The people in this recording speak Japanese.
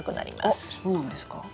あっそうなんですか？